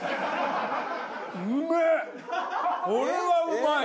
うまい！